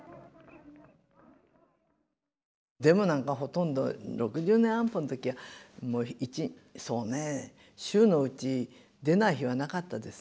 デモなんかほとんど６０年安保の時はそうね週のうち出ない日はなかったですね。